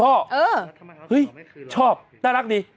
เออเห้ยชอบน่ารักดิ